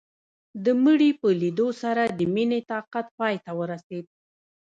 د مړي په ليدو سره د مينې طاقت پاى ته ورسېد.